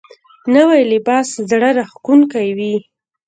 نوی لباس زړه راښکونکی وي